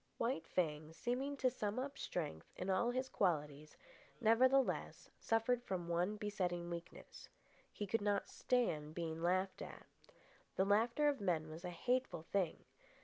White Fang, seeming to sum up strength in all his qualities, nevertheless suffered from one besetting weakness. He could not stand being laughed at. The laughter of men was a hateful thing.